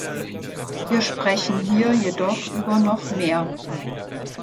Wir sprechen hier jedoch über noch mehr.